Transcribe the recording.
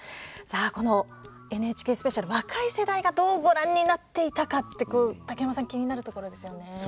この「ＮＨＫスペシャル」を若い世代がどうご覧になったか竹山さん気になるところですよね。